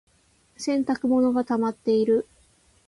洗濯物がたまっている。